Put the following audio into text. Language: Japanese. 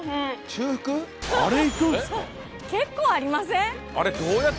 結構ありません？